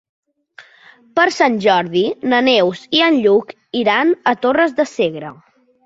Per Sant Jordi na Neus i en Lluc iran a Torres de Segre.